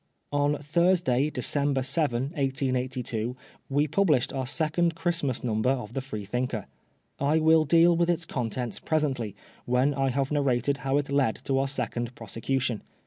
On Thursday, December 7, 188?, we published our second Christmas Number of the Freethinker, I will deal with its contents presently, when I have narrated how it led to our second prosecution.